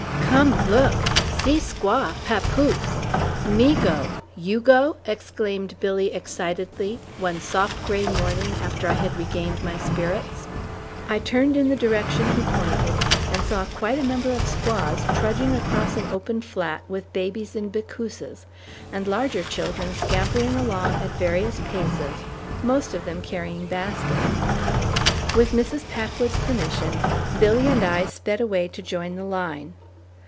"Come look, see squaw, papoose! Me go, you go?" exclaimed Billy excitedly one soft gray morning after I had regained my spirits. I turned in the direction he pointed and saw quite a number of squaws trudging across an open flat with babies in bickooses, and larger children scampering along at various paces, most of them carrying baskets. With Mrs. Packwood's permission, Billy and I sped away to join the line.